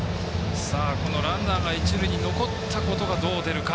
ランナーが一塁に残ったことがどう出るか。